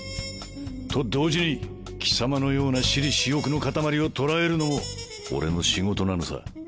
と同時に貴様のような私利私欲の塊を捕らえるのも俺の仕事なのさ。